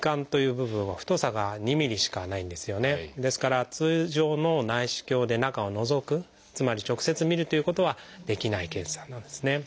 ですから通常の内視鏡で中をのぞくつまり直接みるということはできない検査なんですね。